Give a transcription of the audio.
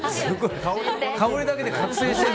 香りだけで覚醒してる。